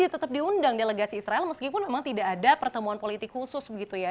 nah kalau kita diundang delegasi israel meskipun memang tidak ada pertemuan politik khusus gitu ya